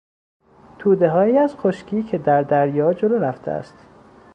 تودههایی از خشکی که در دریا جلو رفته است